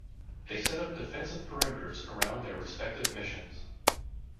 They set up defensive perimeters around their respective missions.